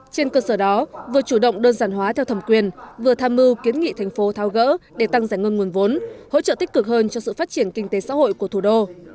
trên cơ sở đó vừa chủ động đơn giản hóa theo thẩm quyền vừa tham mưu kiến nghị thành phố thao gỡ để tăng giải ngân nguồn vốn hỗ trợ tích cực hơn cho sự phát triển kinh tế xã hội của thủ đô